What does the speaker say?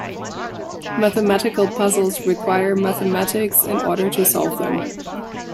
Mathematical puzzles require mathematics in order to solve them.